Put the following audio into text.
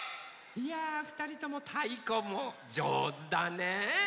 いやふたりともたいこもじょうずだね。